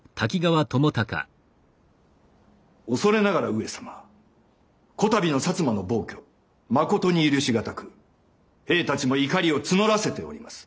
恐れながら上様此度の摩の暴挙まことに許し難く兵たちも怒りを募らせております。